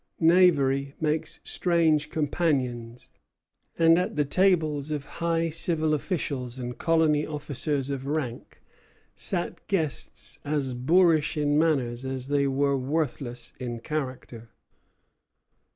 Knavery makes strange companions; and at the tables of high civil officials and colony officers of rank sat guests as boorish in manners as they were worthless in character.